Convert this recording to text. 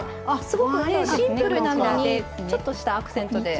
すごくシンプルなのにちょっとしたアクセントで。